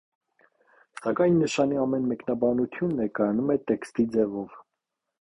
Սակայն նշանի ամեն մեկնաբանություն ներկայանում է տեքստի ձևով։